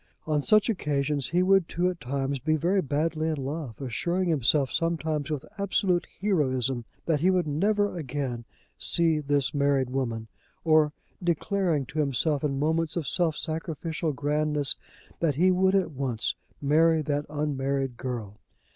On such occasions he would too, at times, be very badly in love, assuring himself sometimes with absolute heroism that he would never again see this married woman, or declaring to himself in moments of self sacrificial grandness that he would at once marry that unmarried girl.